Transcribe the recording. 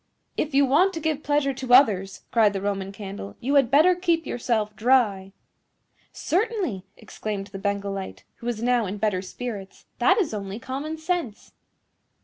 "If you want to give pleasure to others," cried the Roman Candle, "you had better keep yourself dry." "Certainly," exclaimed the Bengal Light, who was now in better spirits; "that is only common sense."